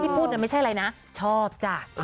ที่พูดนั้นไม่ใช่อะไรนะชอบจ้า